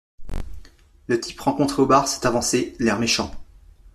Le type rencontré au bar s’est avancé, l’air méchant.